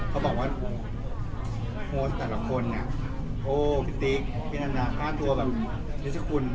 เขาบอกว่าโพสต์แต่ละคนพี่ตี๊กพี่นันนะค่าตัวนิจกรุณ